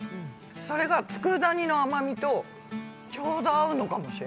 それが佃煮の甘みとちょうど合うのかもしれない。